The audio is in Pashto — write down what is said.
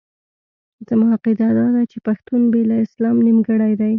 زما عقیده داده چې پښتون بې له اسلام نیمګړی دی.